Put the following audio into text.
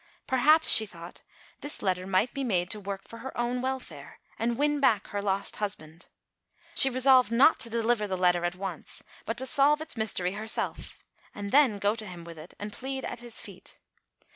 Perhaps, she thought, this letter might be made to work for her own welfare, and win back her lost husband. She resolved not to deliver the letter at once, but to solve its mystery herself, and then go to him with it, and plead at his feet.